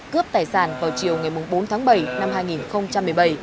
cướp tài sản vào chiều ngày bốn tháng bảy năm hai nghìn một mươi bảy